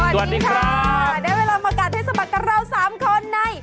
สวัสดีค่ะได้เวลามากัดให้สะบัดกับเราสามคนใน